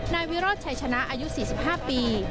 นายวิบัตรใช้ชนะอายุ๔๕ปี